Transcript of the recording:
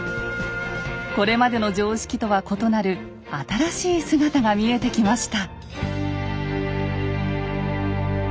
これまでの常識とは異なる新しい姿が見えてきました。